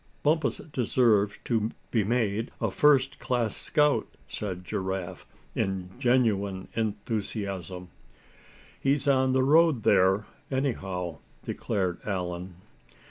"Bumpus deserves to be made a first class scout," said Giraffe, in genuine enthusiasm. "He's on the road there, anyhow," declared Allan.